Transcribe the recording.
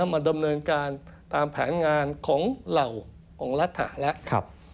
มาดำเนินการตามแผนงานของเหล่าองค์รัฐแล้ว